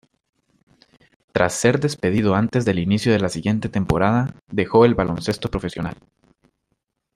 Tras ser despedido antes del inicio de la siguiente temporada, dejó el baloncesto profesional.